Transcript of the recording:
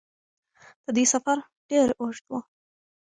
د دوی سفر ډېر اوږد و.